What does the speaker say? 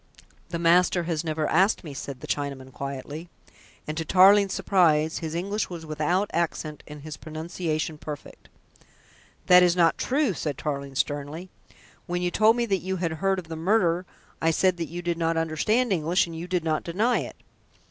"The master has never asked me," said the Chinaman quietly, and to Tarling's surprise his English was without accent and his pronunciation perfect. "That is not true," said Tarling sternly. "When you told me that you had heard of the murder, I said that you did not understand English, and you did not deny it."